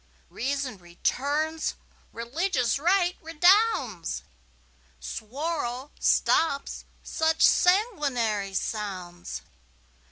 Reason returns, religious right redounds, Suwarrow stops such sanguinary sounds.